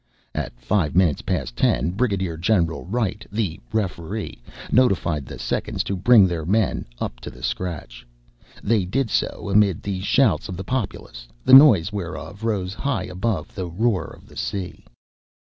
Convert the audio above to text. At five minutes past ten, Brigadier General Wright, the Referee, notified the seconds to bring their men "up to the scratch." They did so, amid the shouts of the populace, the noise whereof rose high above the roar of the sea.